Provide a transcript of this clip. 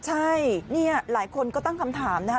ใช่นี่หลายคนก็ตั้งคำถามนะคะ